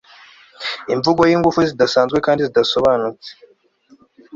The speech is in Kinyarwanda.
Imvugo yingufu zidasanzwe kandi zidasobanutse